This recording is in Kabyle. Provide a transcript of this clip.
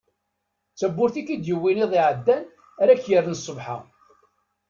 D tawwurt ik-id-yewwin iḍ iɛeddan ara ak-yerren sbeḥ-a.